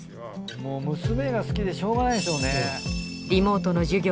もう娘が好きでしようがないんでしょうね。